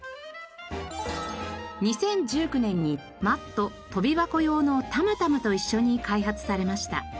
２０１９年にマット・跳び箱用のタムタムと一緒に開発されました。